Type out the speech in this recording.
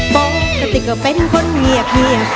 ปกติก็เป็นคนเงียบเหงียง